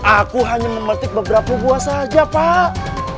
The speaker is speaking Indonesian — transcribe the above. aku hanya memetik beberapa buah saja pak